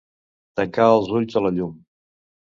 Tancar els ulls a la llum.